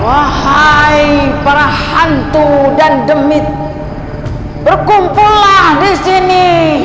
wahai para hantu dan demit berkumpullah di sini